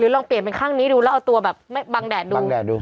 ลองเปลี่ยนเป็นข้างนี้ดูแล้วเอาตัวแบบไม่บังแดดดู